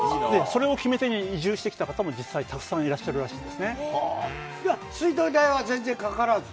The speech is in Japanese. それを決め手に移住してきた方も実際たくさんいらっしゃるら水道代は全然かからず？